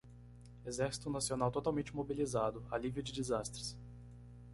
Exército nacional totalmente mobilizado alívio de desastres